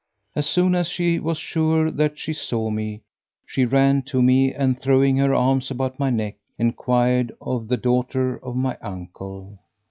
As soon as she was sure that she saw me, she ran to me and throwing her arms about my neck, enquired of the daughter of my uncle.